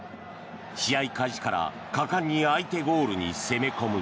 試合開始から果敢に相手ゴールに攻め込む。